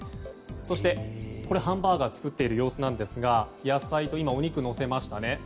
そして、ハンバーガーを作っている様子なんですが野菜とお肉をのせましたね。